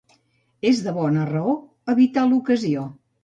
És de bona raó evitar l'ocasió.